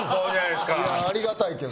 いやありがたいけど。